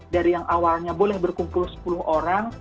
dari yang awalnya boleh berkumpul sepuluh orang